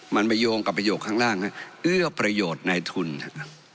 มันไปโยงกับประโยคข้างล่างฮะเอื้อประโยชน์ในทุนนะครับ